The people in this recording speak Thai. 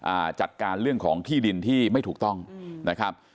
อ่าจัดการเรื่องของที่ดินที่ไม่ถูกต้องอืมนะครับ